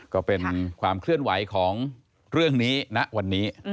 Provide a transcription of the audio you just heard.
ก็เป็นความเคลื่อนไหวของเรื่องนี้ณวันนี้